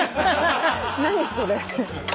何それ。